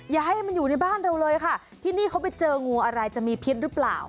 อย่าให้มันอยู่ในบ้านเราเลยค่ะที่นี่เขาไปเจองูอะไรจะมีพิษหรือเปล่า